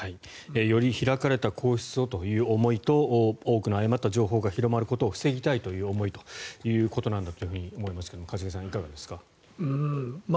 より開かれた皇室をという思いと多くの誤った情報が広まることを防ぎたいという思いなんだと思いますが一茂さん、いかがですか。